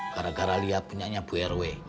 gara gara liat punya nyabu rw